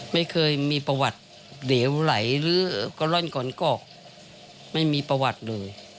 ไม่เคยมีประวัติเหลวไหลหรือก็ร่อนก่อนกอกไม่มีประวัติเลย